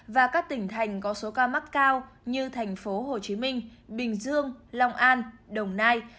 và các tỉnh thành có số ca mắc cao như tp hcm bình dương long an đồng nai